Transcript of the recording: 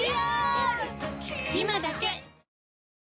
今だけ！